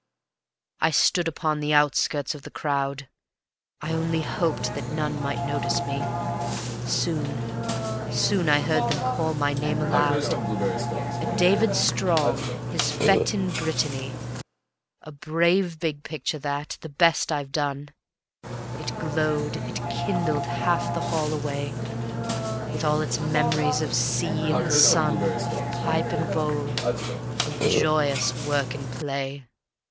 I stood upon the outskirts of the crowd, I only hoped that none might notice me. Soon, soon I heard them call my name aloud: "A 'David Strong', his Fete in Brittany." (A brave big picture that, the best I've done, It glowed and kindled half the hall away, With all its memories of sea and sun, Of pipe and bowl, of joyous work and play.